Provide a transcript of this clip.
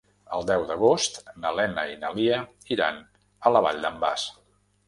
El deu d'agost na Lena i na Lia iran a la Vall d'en Bas.